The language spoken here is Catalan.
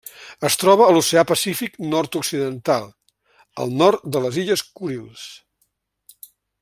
Es troba a l'Oceà Pacífic nord-occidental: el nord de les Illes Kurils.